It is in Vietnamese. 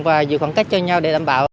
và giữ khoảng cách cho nhau để đảm bảo